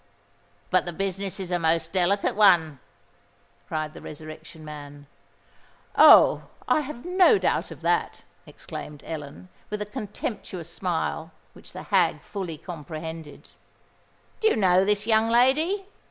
"But the business is a most delicate one," cried the Resurrection Man. "Oh! I have no doubt of that," exclaimed Ellen, with a contemptuous smile which the hag fully comprehended. "Do you know this young lady?"